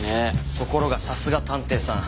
ところがさすが探偵さん。